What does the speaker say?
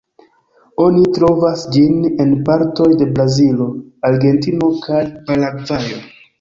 Oni trovas ĝin en partoj de Brazilo, Argentino kaj Paragvajo.